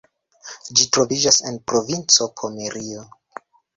Ĝi troviĝas en provinco Pomerio.